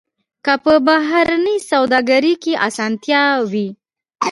که په بهرنۍ سوداګرۍ کې اسانتیا وي.